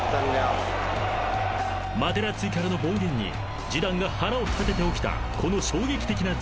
［マテラッツィからの暴言にジダンが腹を立てて起きたこの］